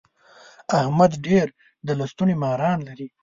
احمد ډېر د لستوڼي ماران لري.